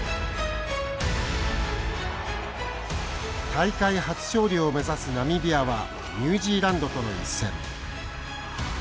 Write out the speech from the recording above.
大会初勝利を目指すナミビアはニュージーランドとの一戦。